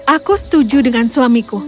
aku setuju dengan suamiku